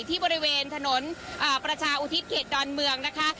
ที่บริเวณถนนประชาอุทิศเขตดอนเมืองนะคะ